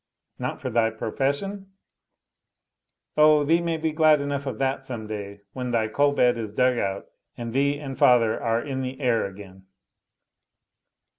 "Not for thy profession?" "Oh, thee may be glad enough of that some day, when thy coal bed is dug out and thee and father are in the air again."